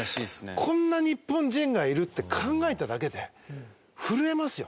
こんな日本人がいるって考えただけで震えますよ。